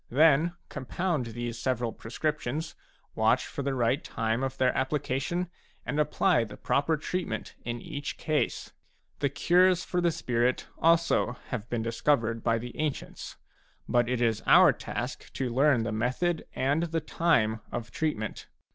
Then compound these several prescriptions, watch for the right time of their application, and apply the proper treatment in each case. The cures for the spirit also have been discovered by the ancients ; but it is our task to learn the method and the time of treatment.